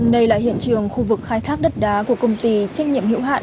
đây là hiện trường khu vực khai thác đất đá của công ty trách nhiệm hiệu hoạn